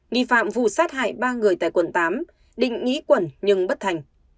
nghị phạm vụ sát hại ba người tại quận tám định nghỉ quẩn nhưng bất thành